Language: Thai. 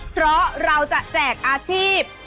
เพราะเราจะแจกอาชีพ